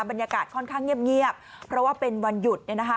บรรยากาศค่อนข้างเงียบเพราะว่าเป็นวันหยุดเนี่ยนะคะ